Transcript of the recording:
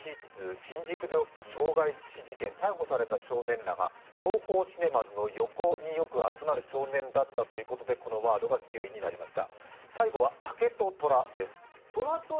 新宿で起きた傷害致死事件、逮捕された少年らがＴＯＨＯシネマズの横によく集まる少年だったということで、このワードになりました。